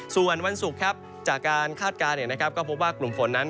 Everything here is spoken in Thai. ส่วนวันศุกร์ครับจากการคาดการณ์ก็พบว่ากลุ่มฝนนั้น